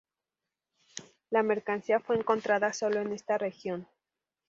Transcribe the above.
La mercancía fue encontrada sólo en esta región.